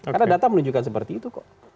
karena data menunjukkan seperti itu kok